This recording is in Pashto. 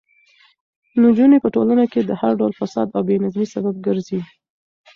نجونې په ټولنه کې د هر ډول فساد او بې نظمۍ سبب ګرځي.